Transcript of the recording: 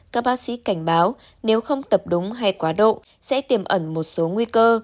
các bác sĩ cảnh báo nếu không tập đúng hay quá độ sẽ tiềm ẩn một số nguy cơ